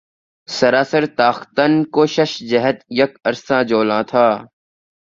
سراسر تاختن کو شش جہت یک عرصہ جولاں تھا